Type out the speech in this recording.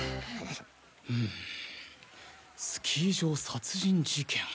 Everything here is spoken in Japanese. うんスキー場殺人事件。